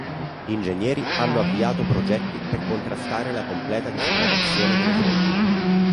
Ingegneri hanno avviato progetti per contrastare la completa disidratazione delle fonti.